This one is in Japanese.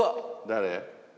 誰？